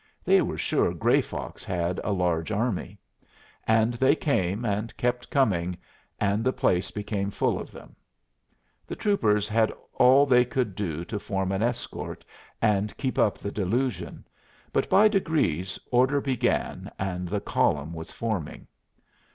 They were sure Gray Fox had a large army. And they came, and kept coming, and the place became full of them. The troopers had all they could do to form an escort and keep up the delusion, but by degrees order began, and the column was forming.